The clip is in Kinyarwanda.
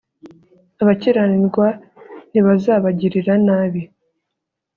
abakiranirwa ntibazabagirira nabi